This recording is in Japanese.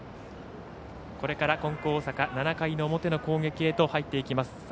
これから金光大阪７回の表の攻撃へと入っていきます。